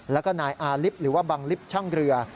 แล้วก็นายอาลิฟต์หรือว่าบังลิฟต์ช่างเรือ